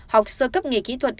học sơ cấp nghề kỹ thuật